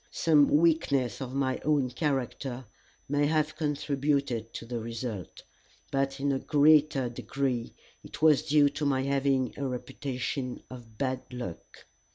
Some weakness of my own character may have contributed to the result, but in a greater degree it was due to my having a reputation for bad luck.